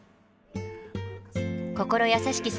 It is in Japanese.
心優しき